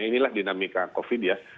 ini lah dinamika covid ya